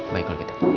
baik kalau gitu